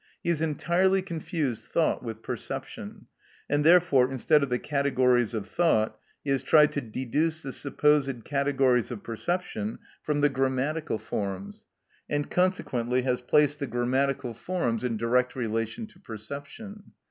He has entirely confused thought with perception, and therefore, instead of the categories of thought, he has tried to deduce the supposed categories of perception from the grammatical forms, and consequently has placed the grammatical forms in direct relation to perception.